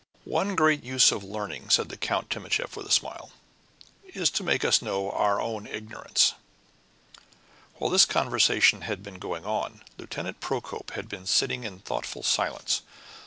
"One great use of learning," said Count Timascheff with a smile, "is to make us know our own ignorance." While this conversation had been going on, Lieutenant Procope had been sitting in thoughtful silence.